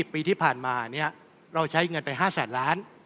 ปีที่ผ่านมาเราใช้เงินไป๕แสนล้าน